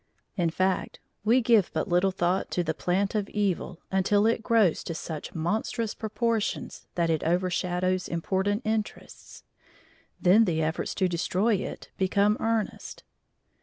In fact, we give but little thought to the plant of evil until it grows to such monstrous proportions that it overshadows important interests; then the efforts to destroy it become earnest.